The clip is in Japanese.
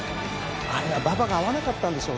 あれは馬場が合わなかったんでしょうね。